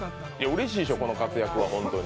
うれしいでしょう、この活躍はホントに。